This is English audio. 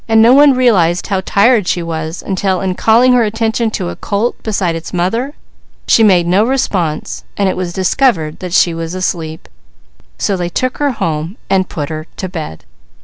No one realized how tired she was, until in calling her attention to a colt beside its mother, she made no response, then it was discovered that she was asleep, so they took her home and put her to bed.